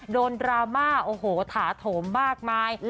ดราม่าโอ้โหถาโถมมากมาย